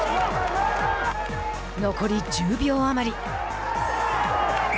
残り１０秒余り。